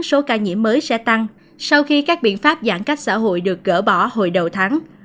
số ca nhiễm mới sẽ tăng sau khi các biện pháp giãn cách xã hội được gỡ bỏ hồi đầu tháng